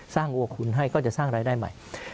สร้างอวกขุนให้ก็จะสร้างรายได้ใหม่